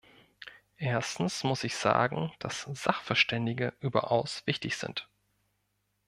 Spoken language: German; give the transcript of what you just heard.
Erstens muss ich sagen, dass Sachverständige überaus wichtig sind.